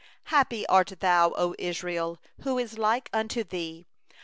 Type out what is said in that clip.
29Happy art thou, O Israel, who is like unto thee?